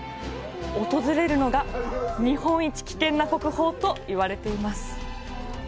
訪れるのが日本一危険な国宝と言われています。